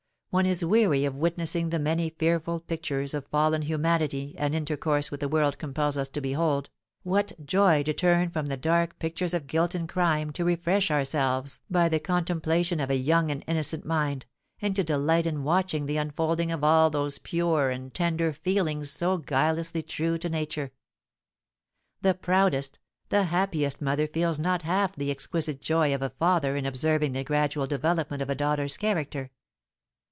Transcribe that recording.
one is weary of witnessing the many fearful pictures of fallen humanity an intercourse with the world compels us to behold, what joy to turn from the dark pictures of guilt and crime to refresh ourselves by the contemplation of a young and innocent mind, and to delight in watching the unfolding of all those pure and tender feelings so guilelessly true to nature! The proudest, the happiest mother feels not half the exquisite joy of a father in observing the gradual development of a daughter's character.